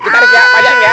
tarik ya pak de